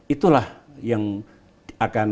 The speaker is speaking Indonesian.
itulah yang akan